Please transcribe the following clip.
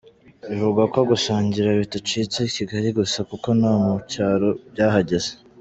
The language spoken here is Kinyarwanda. Bivugwa ko gusangira bitacitse i Kigali gusa kuko no mu cyaro byahageze.